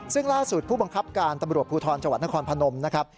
ซึ่งล่าสุดผู้บังคับการตำรวจภูทรจังหวัดนครพนมนะครับ